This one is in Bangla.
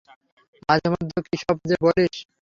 মাঝেমধ্যে কিসব যে বলিস!